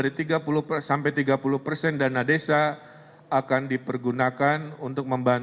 ketiga mereka akan dibantu oleh bdb